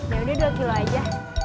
yaudah dua kilo aja